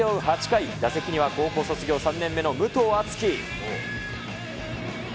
８回、打席には高校卒業３年目の武藤敦貴。